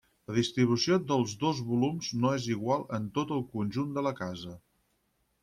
La distribució dels dos volums no és igual en tot el conjunt de la casa.